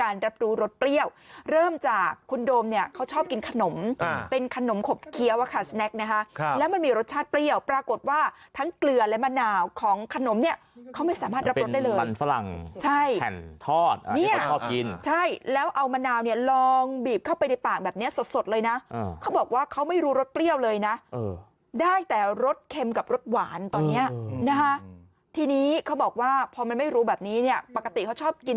รู้รสเปรี้ยวเริ่มจากคุณโดมเขาชอบกินขนมเป็นขนมขบเคี้ยวสแนคนะคะแล้วมันมีรสชาติเปรี้ยวปรากฏว่าทั้งเกลือและมะนาวของขนมเขาไม่สามารถรับรสได้เลยเป็นมันฝรั่งแขนทอดที่เขาชอบกินใช่แล้วเอามะนาวลองบีบเข้าไปในปากแบบนี้สดเลยนะเขาบอกว่าเขาไม่รู้รสเปรี้ยวเลยนะได้แต่รสเค็มกับรสหวานตอนน